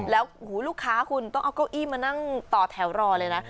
แล้วลูกค้าคุณต้องเอาเก้าอี้มานั่งต่อแถวรอเลยนะ